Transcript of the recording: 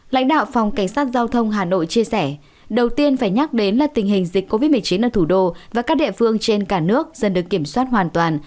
lãnh đạo phòng cảnh sát giao thông hà nội chia sẻ đầu tiên phải nhắc đến là tình hình dịch covid một mươi chín ở thủ đô và các địa phương trên cả nước dần được kiểm soát hoàn toàn